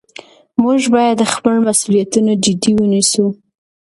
موږ باید خپل مسؤلیتونه جدي ونیسو